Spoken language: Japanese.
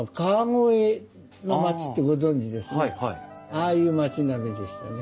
ああいう街並みでしたね。